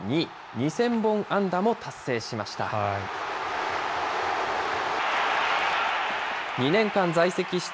２０００本安打も達成しました。